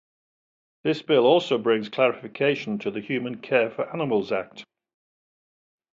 This bill also brings clarification to the Humane Care for Animals Act.